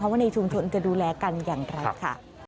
ว่าในชุมชนจะดูแลกันอย่างไรค่ะ